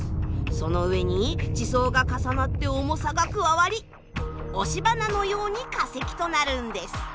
その上に地層が重なって重さが加わり押し花のように化石となるんです。